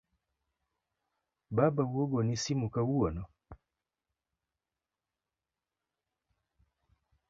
Babau ogoni simu kawuono?